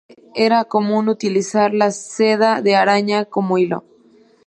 Antiguamente era común utilizar la seda de araña como hilo.